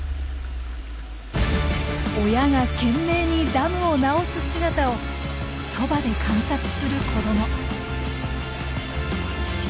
親が懸命にダムを直す姿をそばで観察する子ども。